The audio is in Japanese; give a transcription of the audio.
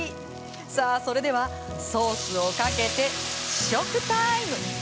さあ、それでは、ソースをかけて試食タイム！